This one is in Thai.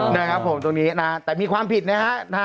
นะครับผมตรงนี้นะฮะแต่มีความผิดนะฮะ